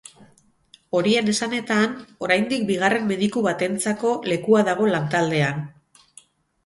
Horien esanetan, oraindik bigarren mediku batentzako lekua dago lantaldean.